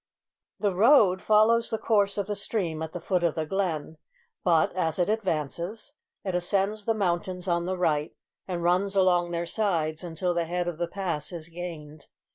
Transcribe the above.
The road follows the course of the stream at the foot of the glen; but, as it advances, it ascends the mountains on the right, and runs along their sides until the head of the pass is gained.